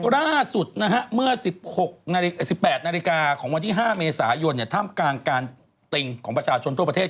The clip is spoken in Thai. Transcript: ล่าสุดนะฮะเมื่อ๑๖๑๘นาฬิกาของวันที่๕เมษายนท่ามกลางการติงของประชาชนทั่วประเทศ